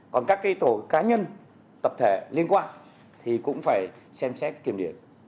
còn các cái tổ cá nhân tập thể liên quan thì cũng phải xem xét kiểm điểm